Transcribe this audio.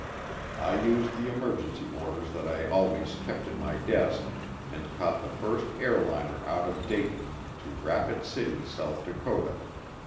I used the emergency orders that I always kept in my desk and caught the first airliner out of Dayton to Rapid City, South Dakota.